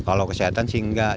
kalau kesehatan sih enggak